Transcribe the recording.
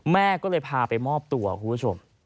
แม่ก็เลยพาไปมอบตัวคุณผู้ชม